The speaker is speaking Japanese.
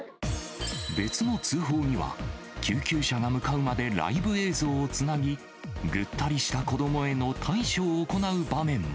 別の通報には、救急車が向かうまでライブ映像をつなぎ、ぐったりした子どもへの対処を行う場面も。